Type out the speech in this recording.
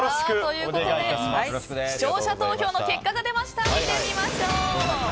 視聴者投票の結果が出ました。